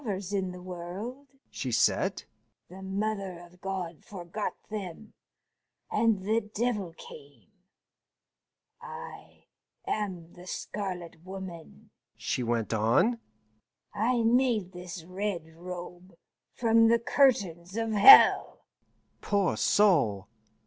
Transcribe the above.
"There were two lovers in the world," she said: "the Mother of God forgot them, and the devil came. I am the Scarlet Woman," she went on; "I made this red robe from the curtains of Hell " Poor soul!